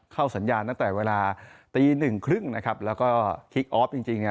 เข้าสัญญาณตั้งแต่เวลาตีหนึ่งครึ่งนะครับแล้วก็คิกออฟจริงจริงเนี่ย